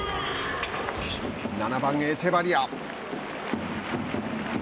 ７番、エチェバリア。